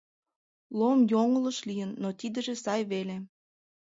Лом йоҥылыш лийын, но тидыже сай веле!